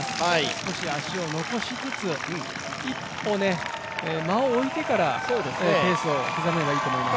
少し足を残しつつ、一歩間を置いてからペースを刻むのがいいと思います。